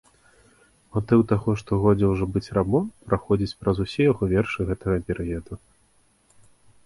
Матыў таго, што годзе ўжо быць рабом, праходзіць праз усе яго вершы гэтага перыяду.